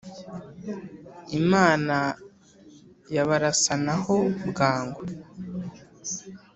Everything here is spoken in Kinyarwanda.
imana yabarasana ho bwangu